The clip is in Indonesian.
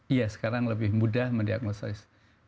iya sekarang lebih mudah mendiagnosai